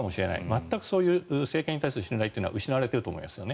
全くそういう政権に対する信頼というのは失われていると思います。